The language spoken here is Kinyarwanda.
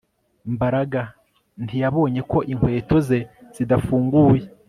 Mbaraga ntiyabonye ko inkweto ze zidafunguye